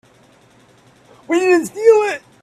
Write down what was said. We didn't steal it.